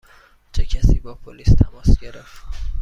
چه کسی با پلیس تماس گرفت؟